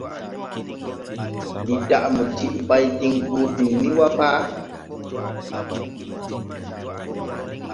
Ndi daʼ mo tiʼ bay diŋ boo biŋni wa pa?